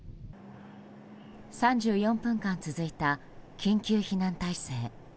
３４分間続いた緊急避難体制。